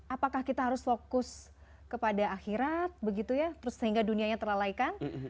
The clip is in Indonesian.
apakah kita harus fokus kepada akhirat begitu ya terus sehingga dunianya terlalaikan